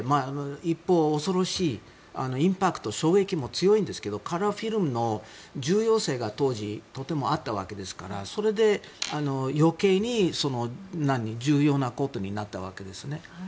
一方、恐ろしいインパクト、衝撃も強いんですがカラーフィルムの重要性が当時、とてもあったわけですからそれで、余計に重要なことになったわけですね。